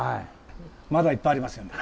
「まだいっぱいありますので」